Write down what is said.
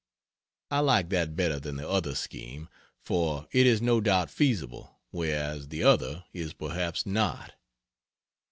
I like that better than the other scheme, for it is no doubt feasible, whereas the other is perhaps not.